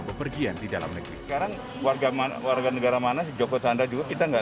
bepergian di dalam negeri sekarang warga mana warga negara mana joko chandra juga kita enggak